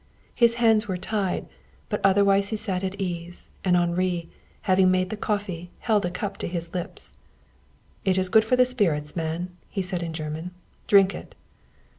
His hands were tied, but otherwise he sat at ease, and Henri, having made the coffee, held a cup to his lips. "It is good for the spirits, man," he said in German. "Drink it."